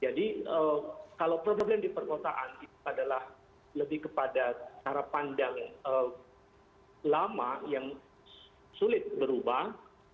jadi kalau problem di perkotaan adalah lebih kepada cara pandang lama yang sulit berubah